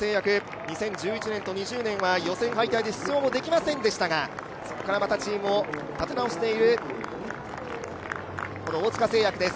２０１１年と２０年は予選敗退で出場もできませんでしたが、そこからチームを立て直している大塚製薬です。